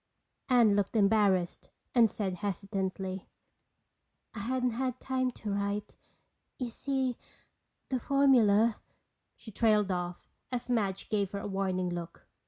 Anne looked embarrassed and said hesitantly: "I hadn't had time to write. You see, the formula—" she trailed off as Madge gave her a warning look.